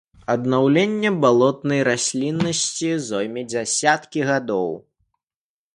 Аднаўленне балотнай расліннасці зойме дзясяткі гадоў.